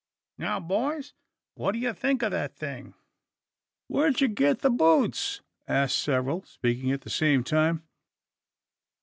Now boys! what d'ye think o' the thing?" "Where did you get the boots?" ask several, speaking at the same time.